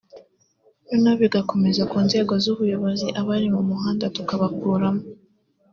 noneho bigakomeza no ku nzego z’ubuyobozi abari mu muhanda tukabakuramo